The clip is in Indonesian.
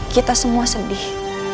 kita semua sedih